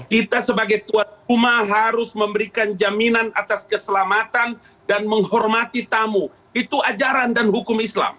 kita sebagai tuan rumah harus memberikan jaminan atas keselamatan dan menghormati tamu itu ajaran dan hukum islam